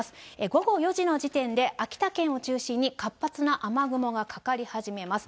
午後４時の時点で、秋田県を中心に活発な雨雲がかかり始めます。